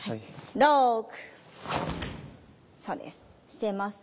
６そうです。